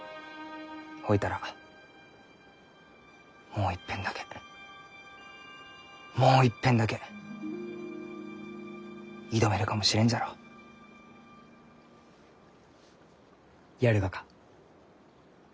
ほいたらもういっぺんだけもういっぺんだけ挑めるかもしれんじゃろう？やるがか？